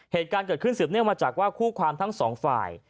เหตุการณ์เกิดขึ้นสืบเนื่องมาจากว่าคู่ความทั้งสองฝ่าย